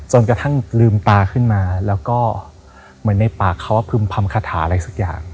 จนกระทั่งลืมตาขึ้นมาแล้วก็เหมือนในปากเขาพึ่มพำคาถาอะไรสักอย่าง